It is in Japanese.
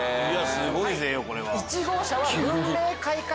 すごいぜよこれは。